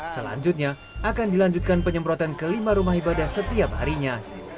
selanjutnya akan dilanjutkan penyemprotan ke lima rumah ibadah setiap harinya